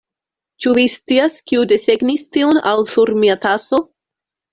Ĉu vi scias kiu desegnis tion al sur mia taso?